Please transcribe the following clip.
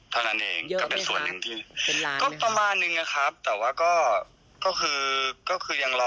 เท่านั้นเอง